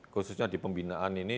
khususnya di pembinaan ini